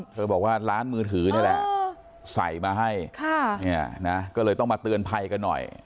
บอกว่าร้านมือถือนี่แหละใส่มาให้ก็เลยต้องมาเตือนภัยกันหน่อย